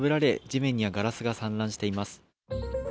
地面にはガラスが散乱しています。